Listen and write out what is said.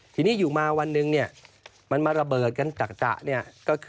ทีนี้อยู่มาวันหนึ่งเนี่ยมันมาระเบิดกันตะเนี่ย